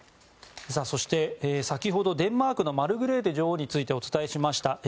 そして、先ほどデンマークのマルグレーテ女王についてお伝えしました。